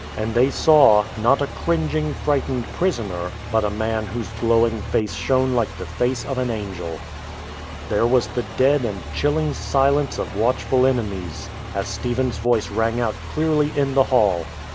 And they saw — not a cringing, frightened prisoner, but a man whose glowing face shone like the face of an angel. There was the dead and chilling silence of watch ful enemies as Stephen's voice rang out clearly in the hall.